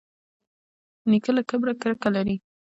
نیکه له کبره کرکه لري.